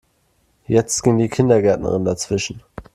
Jetzt ging die Kindergärtnerin dazwischen.